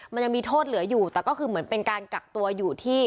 มันยังมีโทษเหลืออยู่แต่ก็คือเหมือนเป็นการกักตัวอยู่ที่